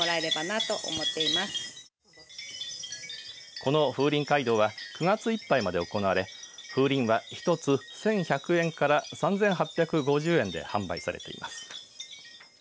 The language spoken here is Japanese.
この風鈴街道は９月いっぱいまで行われ風鈴は１つ１１００円から３８５０円で販売されています。